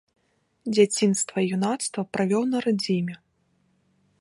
Дзяцінства і юнацтва правёў на радзіме.